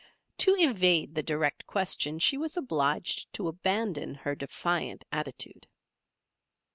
To evade the direct question she was obliged to abandon her defiant attitude.